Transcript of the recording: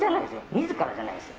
自らじゃないですよ。